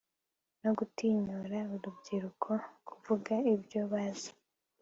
no gutinyura urubyiruko kuvuga ibyo bazi